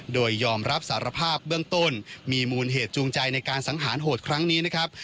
โดยยอมรับสารภาพเบื้องต้นมีมูลเหตุจูงใจในการสังหารโหดครั้งนี้นะครับ